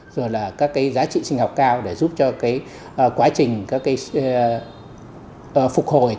rồi là các giá trị sinh học cao để giúp cho quá trình phục hồi